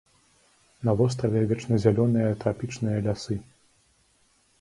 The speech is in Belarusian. На востраве вечназялёныя трапічныя лясы.